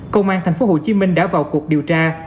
công an tp hcm đã vào cuộc điều tra